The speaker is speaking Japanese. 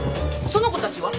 その子たちは？